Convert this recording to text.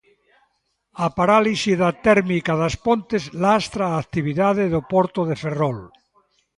A parálise da térmica das Pontes lastra a actividade do porto de Ferrol.